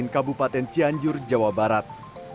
kabupaten cianjur jawa barat